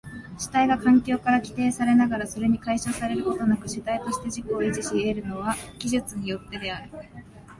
主体が環境から規定されながらそれに解消されることなく主体として自己を維持し得るのは技術によってである。